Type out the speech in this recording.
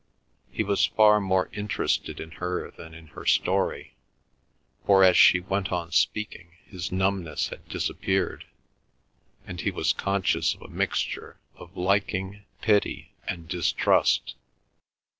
He was far more interested in her than in her story, for as she went on speaking his numbness had disappeared, and he was conscious of a mixture of liking, pity, and distrust.